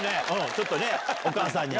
ちょっとお母さんに。